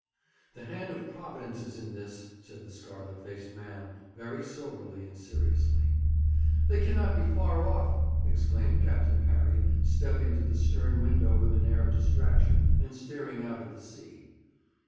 'The hand of Providence is in this,' said the scarlet faced man, very soberly and seriously. 'They cannot be far off!' exclaimed Captain Parry, stepping to the stern window with an air of distraction, and staring out at the sea.